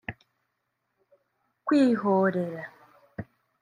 kwihorera